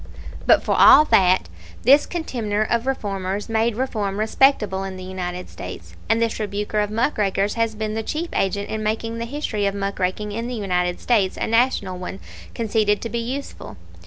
"But for all that, this contemner of 'reformers' made reform respectable in the United States, and this rebuker of 'muck rakers' has been the chief agent in making the history of 'muck raking' in the United States a National one, conceded to be useful.